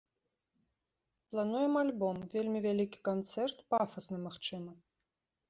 Плануем альбом, вельмі вялікі канцэрт, пафасны, магчыма.